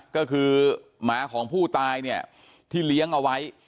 ก็คือหมาของผู้ตายเนี่ยที่เลี้ยงเอาไว้